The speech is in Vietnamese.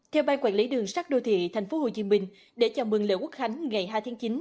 theo ban quản lý đường sắt đô thị tp hcm để chào mừng lễ quốc khánh ngày hai tháng chín